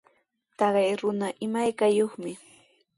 Taqay runa imaykayuqmi.